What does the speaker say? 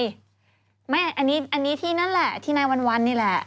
เทรนไม่อันนี้ที่นั่นแหละที่ไหนวันนี่แหละ